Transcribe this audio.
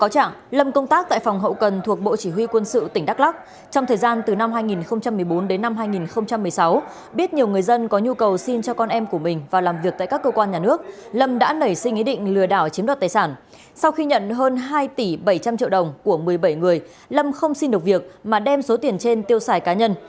sau khi nhận hơn hai tỷ bảy trăm linh triệu đồng của một mươi bảy người lâm không xin được việc mà đem số tiền trên tiêu xài cá nhân